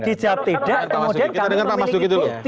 kita dengar pak mas duki dulu